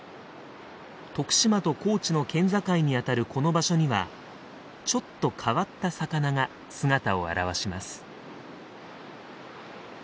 徳島と高知の県境にあたるこの場所にはちょっと変わった魚が姿を現します。